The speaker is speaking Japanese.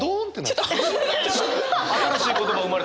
新しい言葉生まれた！